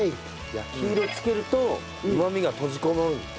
焼き色つけるとうまみが閉じこもる。